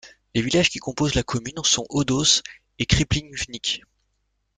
Les villages qui composent la commune sont Hodoš et Krplivnik.